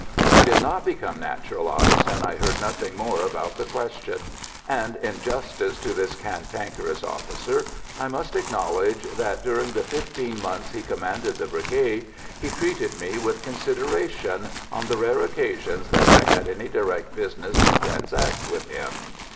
I did not become naturalised, and I heard nothing more about the question; and in justice to this cantankerous officer, I must acknowledge that, during the fifteen months he commanded the Brigade, he treated me with consideration on the rare occasions that I had any direct business to transact with him.